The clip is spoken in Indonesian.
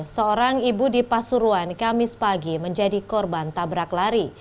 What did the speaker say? seorang ibu di pasuruan kamis pagi menjadi korban tabrak lari